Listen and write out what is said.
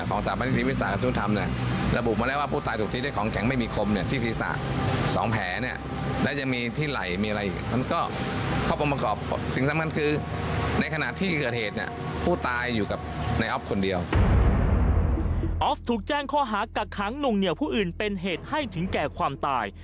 ออฟถูกแจ้งข้อหากักขังหนุ่งเหนียวผู้อื่นเป็นเหตุให้ถึงแก่ความตาย